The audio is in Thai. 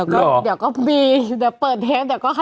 เดี๋ยวก็ปีแต่แถมเลยอีกอ่ะ